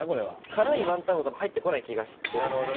辛い雲呑は多分入ってこない気がしてるんです。